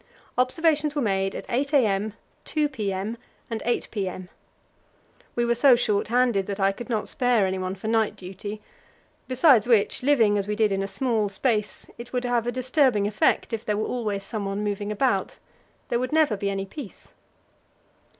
Observations were made at 8 a.m., 2 p.m., and 8 p.m. We were so short handed that I could not spare anyone for night duty, besides which, living as we did in a small space, it would have a disturbing effect if there were always someone moving about; there would never be any peace.